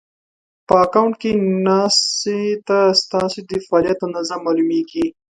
په اکونټ کې ناسې ته ستاسې د فعالیت اندازه مالومېږي